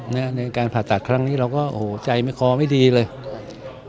ในการผ่าตัดครั้งนี้เราก็โอ้โหใจไม่คอไม่ดีเลย